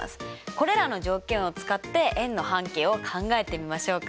これらの条件を使って円の半径を考えてみましょうか？